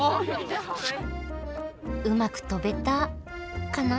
うまく飛べたカナ？